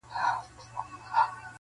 o مبارک دي سه فطرت د پسرلیو,